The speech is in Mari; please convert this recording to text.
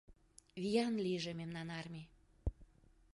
Виян лийже мемнан армий!